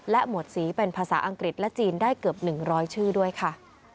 หมวดสีเป็นภาษาอังกฤษและจีนได้เกือบ๑๐๐ชื่อด้วยค่ะ